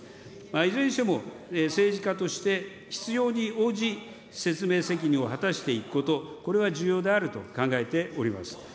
いずれにしても、政治家として必要に応じ、説明責任を果たしていくこと、これは重要であると考えております。